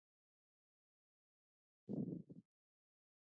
ایا زه د ادرار معاینه کولی شم؟